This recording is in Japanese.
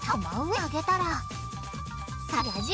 あ！